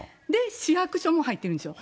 市役所も入ってるんですよ。